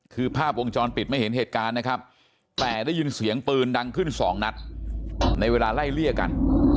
คือภาพวงจรปิดไม่เห็นเหตุการณ์นะครับแต่ได้ยินเสียงปืนดังขึ้นสองนัดในเวลาไล่เลี่ยกัน